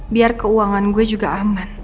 biar keuangan gue juga aman